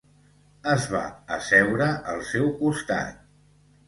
Es va asseure al seu costat.